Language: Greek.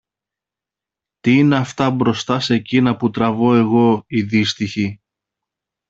Τι είναι αυτά μπροστά σε κείνα που τραβώ εγώ, η δύστυχη!